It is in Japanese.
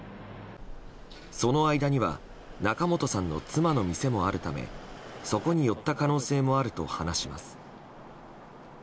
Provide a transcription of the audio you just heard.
その間には仲本さんの妻の店もあるためそこに寄った可能性もあると話します。